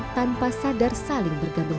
tanpa sadar saling bergabung